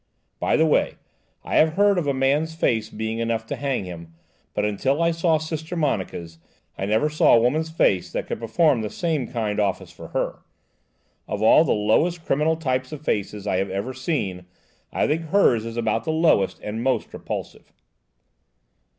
By the way, I have heard of a man's face being enough to hang him, but until I saw Sister Monica's, I never saw a woman's face that could perform the same kind office for her. Of all the lowest criminal types of faces I have ever seen, I think hers is about the lowest and most repulsive."